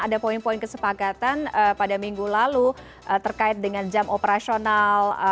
ada poin poin kesepakatan pada minggu lalu terkait dengan jam operasional